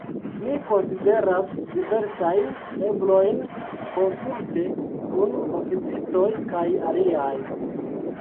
Ni konsideras diversajn eblojn konsulte kun oficistoj kaj aliaj.